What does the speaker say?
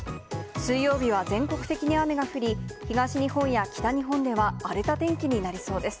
水曜日は全国的に雨が降り、東日本や北日本では荒れた天気になりそうです。